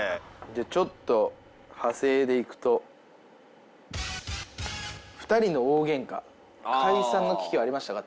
ちょっと派生でいくと２人の大ゲンカ解散の危機はありましたか？